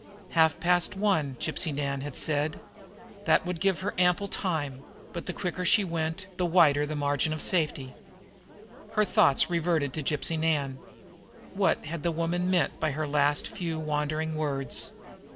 Halfpast one, Gypsy Nan had said. That should give her ample time; but the quicker she went, the wider the margin of safety. Her thoughts reverted to Gypsy Nan. What had the woman meant by her last few wandering words?